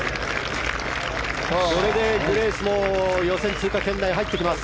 これでグレースも予選通過圏内に入ってきます。